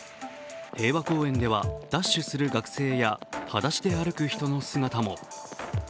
平和公園ではダッシュする学生や、裸足で歩く人の姿も。